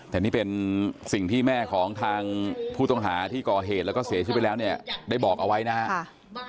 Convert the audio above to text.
แต่นี่เป็นสิ่งที่แม่ของทางผู้ต้องหาที่ก่อเหตุแล้วก็เสียชีวิตไปแล้วเนี่ยได้บอกเอาไว้นะครับ